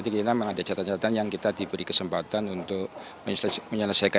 kita memang ada catatan catatan yang kita diberi kesempatan untuk menyelesaikan